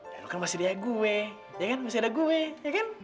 dan lu kan masih dia gue ya kan masih ada gue ya kan